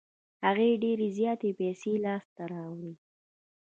هغه ډېرې زياتې پیسې لاس ته راوړې.